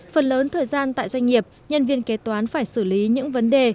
phần lớn thời gian tại doanh nghiệp nhân viên kế toán phải xử lý những vấn đề